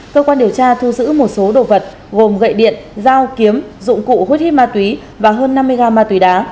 cơ quan điều tra thu giữ một số đồ vật gồm gậy điện dao kiếm dụng cụ huyết hiếp ma túy và hơn năm mươi g ma túy đá